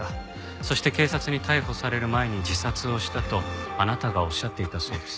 そして警察に逮捕される前に自殺をしたとあなたがおっしゃっていたそうです。